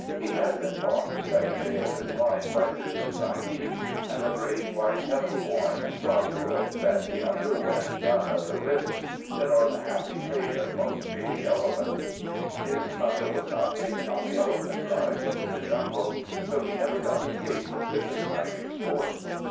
He had been bought the second day of his life by Dugan Sahib, and the great white heaven born saw to it that he underwent none of the risks that are the happy fate of most baby elephants. His mother was not taken on the elephant drives into the jungles, so he never got a taste of this exciting sport.